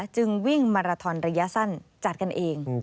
จึงวิ่งมาราทอนระยะสั้นจัดกันเอง